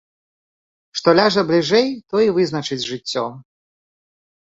Што ляжа бліжэй, тое і вызначыць жыццё.